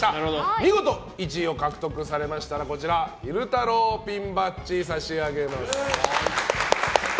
見事１位を獲得されましたら昼太郎ピンバッジを差し上げます。